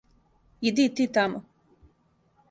Иди и ти тамо.